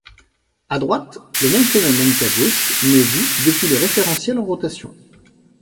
À droite, le même phénomène qu'à gauche, mais vu depuis le référentiel en rotation.